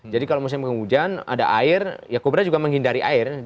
jadi kalau musim penghujan ada air ya kobra juga menghindari air